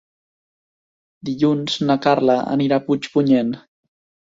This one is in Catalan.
Dilluns na Carla anirà a Puigpunyent.